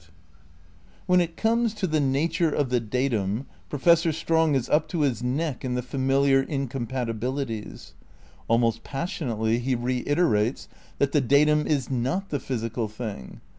132 THE NEW IDEALISM m When it comes to The Nature of the Datum, Profes sor Strong is up to his neck in the familiar incompati bilities. Almost passionately he reiterates that the datum is not the physical thing.